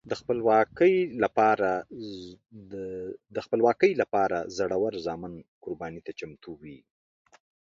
د خپلواکۍ لپاره زړور زامن قربانۍ ته چمتو وي.